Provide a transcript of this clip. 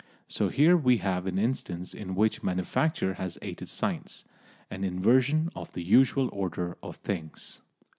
So here we have an instance in which manufacture has aided science an inversion of the usual order of things.